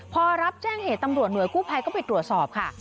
พอรับแจ้งเหตุตำรวจหน่วยกู้ภัยก็ไปตรวจสอบค่ะ